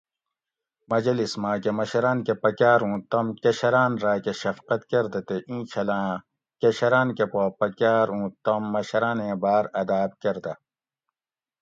مجلس ماۤکہ مشراۤن کہ پکاۤر اُوں تم کشران راۤکہ شفقت کۤردہ تے اینچھلاں کشران کہ پا پکاۤر اُوں تم مشرانیں باۤر اداب کۤردہ